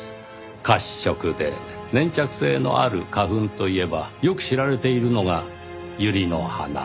褐色で粘着性のある花粉といえばよく知られているのがユリの花。